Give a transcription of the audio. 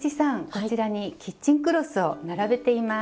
こちらにキッチンクロスを並べています。